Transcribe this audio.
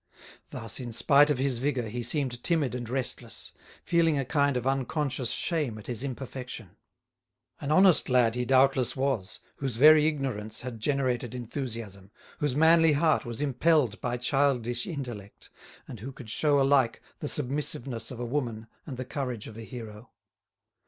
Thus, in spite of his vigour, he seemed timid and restless, feeling a kind of unconscious shame at his imperfection. An honest lad he doubtless was, whose very ignorance had generated enthusiasm, whose manly heart was impelled by childish intellect, and who could show alike the submissiveness of a woman and the courage of a hero.